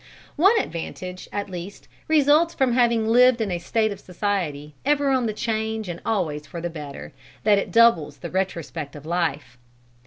One advantage at least results from having lived in a state of society ever on the change and always for the better, that it doubles the retrospect of life.